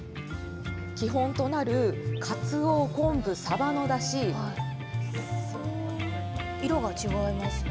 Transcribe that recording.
基本となるかつお、昆布、さばの色が違いますね。